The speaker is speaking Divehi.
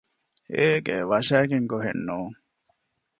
އޭގެ ވަށައިގެން ގޮހެއް ނޫން